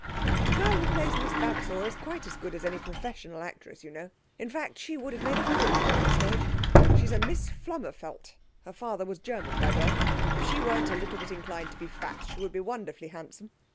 The girl who plays Miss Vavasour is quite as good as any professional actress, you know; in fact, she would have made a fortune on the stage. She's a Miss Flummerfelt. Her father was German by birth. If she weren't a little bit inclined to be fat, she would be wonderfully handsome.